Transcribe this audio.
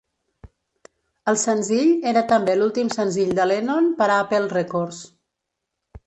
El senzill era també l'últim senzill de Lennon per a Apple Records.